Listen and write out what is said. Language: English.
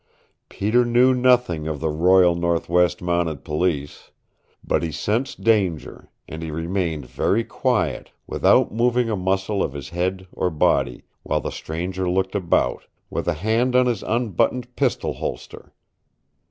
Peter knew nothing of the Royal Northwest Mounted Police. But he sensed danger, and he remained very quiet, without moving a muscle of his head or body, while the stranger looked about, with a hand on his unbuttoned pistol holster.